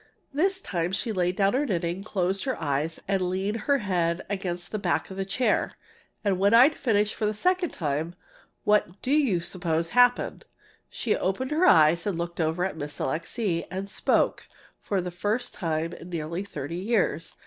This time she laid down her knitting, closed her eyes, and leaned her head against the back of the chair. And when I'd finished for the second time, what do you suppose happened? She opened her eyes, looked over at Miss Alixe, and spoke, for the first time in nearly thirty years!